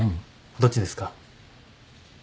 どっちですか？